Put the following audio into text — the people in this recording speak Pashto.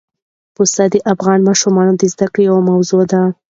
پسه د افغان ماشومانو د زده کړې یوه موضوع ده.